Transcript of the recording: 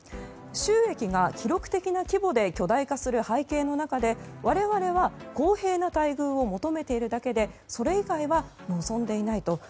収益が記録的な規模で巨大化する背景の中で我々は公平な待遇を求めているだけでそれ以外は望んでいないと。